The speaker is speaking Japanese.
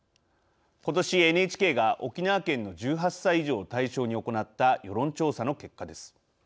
ことし、ＮＨＫが沖縄県の１８歳以上を対象に行った世論調査の結果です。